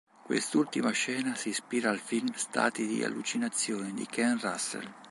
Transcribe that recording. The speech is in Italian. Quest'ultima scena si ispira al film "Stati di allucinazione" di Ken Russell.